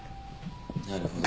なるほど。